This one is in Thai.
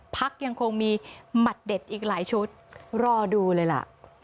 พักยังคงมีหมัดเด็ดอีกหลายชุดรอดูเลยล่ะ